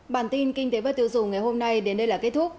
bản tin kinh tế và tiêu dùng ngày hôm nay đến đây là kết thúc